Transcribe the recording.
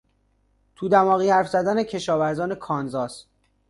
تو دماغی حرف زدن کشاورزان کانزاس